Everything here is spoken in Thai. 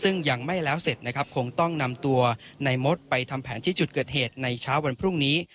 ซึ่งยังไม่แล้วเสร็จนะครับคงต้องนำตัวในมดไปทำแผนที่จุดเกิดเหตุในเช้าวันพรุ่งนี้